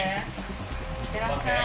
いってらっしゃい。